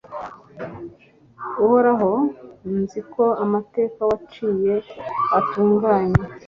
uhoraho, nzi ko amateka waciye atunganye